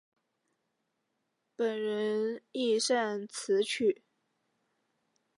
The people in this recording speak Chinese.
本人亦擅词曲。